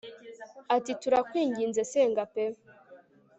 ati turakwinginze senga pe